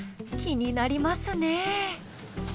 気になりますね。